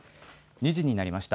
２時になりました。